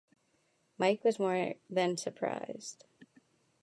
Mike was more than surprised.